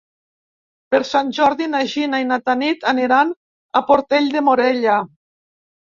Per Sant Jordi na Gina i na Tanit aniran a Portell de Morella.